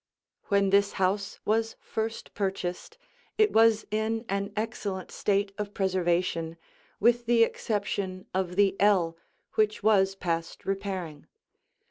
When this house was first purchased, it was in an excellent state of preservation, with the exception of the ell which was past repairing.